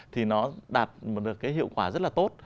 thì nó đạt được cái hiệu quả rất là tốt